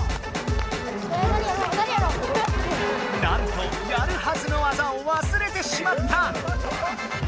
なんとやるはずの技をわすれてしまった！